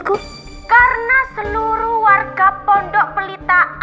karena seluruh warga pondok paleta fish